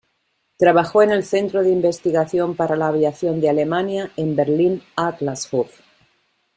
Trabajó en el centro de investigación para la Aviación de Alemania en Berlín-Adlershof.